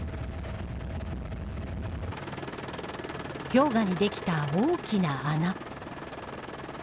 氷河にできた大きな穴。